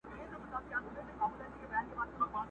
نور یې نه کول د مړو توهینونه٫